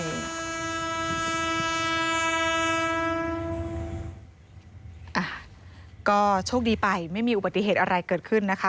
อ่ะก็โชคดีไปไม่มีอุบัติเหตุอะไรเกิดขึ้นนะคะ